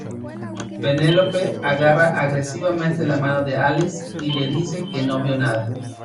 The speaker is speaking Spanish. Penelope agarra agresivamente la mano de Alice y le dice que no vio nada.